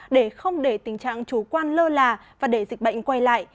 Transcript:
để không để tình trạng chủ quan lơ là và để dịch bệnh quay lại